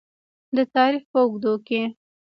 د تاریخ په اوږدو کې.